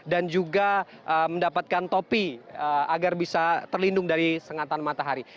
dan juga mendapatkan topi agar bisa terlindung dari sengatan matahari